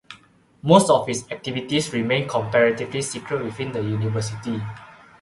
Most of its activities remain comparatively secret within the university.